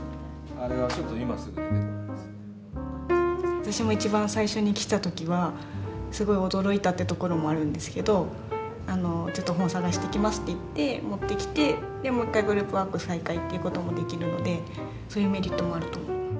私も一番最初に来た時はすごい驚いたってところもあるんですけどあのちょっと本探してきますって言って持ってきてでもう一回グループワーク再開という事もできるのでそういうメリットもあると思います。